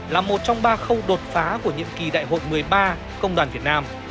là một trong ba khâu đột phá của nhiệm kỳ đại hội một mươi ba công đoàn việt nam